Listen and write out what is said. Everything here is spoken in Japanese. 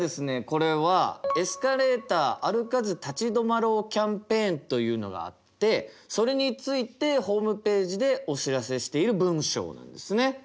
これはエスカレーター「歩かず立ち止まろう」キャンペーンというのがあってそれについてホームページでお知らせしている文章なんですね。